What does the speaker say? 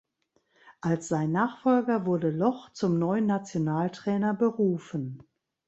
Als sein Nachfolger wurde Loch zum neuen Nationaltrainer berufen.